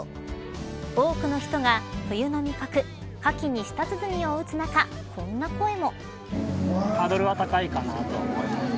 多くの人が、冬の味覚、かきに舌鼓を打つ中こんな声も。